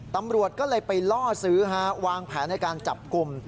ตำรวจก็เลยไปล่อซื้อฮะวางแผนในการจับกลุ่ม